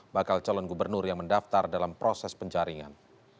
bakal calon gubernur yang mendaftar dalam proses penjaringan